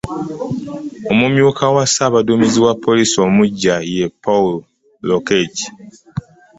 Omumyuka wa Ssaabaduumizi wa poliisi omuggya, ye Paul Lokech